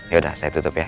yaudah saya tutup ya